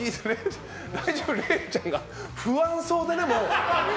れいちゃんが不安そうでね、もう。